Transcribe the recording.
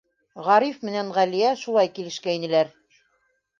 Ғариф менән Ғәлиә шулай килешкәйнеләр.